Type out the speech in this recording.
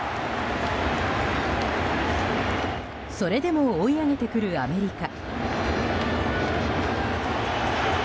それでも追い上げてくるアメリカ。